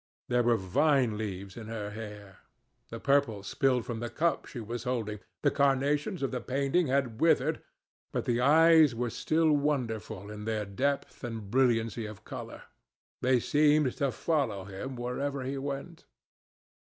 There were vine leaves in her hair. The purple spilled from the cup she was holding. The carnations of the painting had withered, but the eyes were still wonderful in their depth and brilliancy of colour. They seemed to follow him wherever he went.